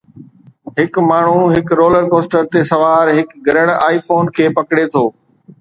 هڪ ماڻهو هڪ رولر ڪوسٽر تي سوار هڪ گرڻ آئي فون کي پڪڙي ٿو